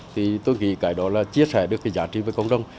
thì tôi nghĩ cái đó là chia sẻ được cái giá trị với cộng đồng